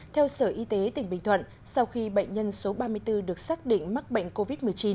theo sở y tế tỉnh bình thuận sau khi bệnh nhân số ba mươi bốn được xác định mắc bệnh covid một mươi chín